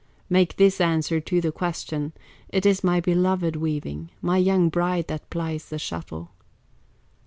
"Make this answer to the question: 'It is my beloved weaving, My young bride that plies the shuttle.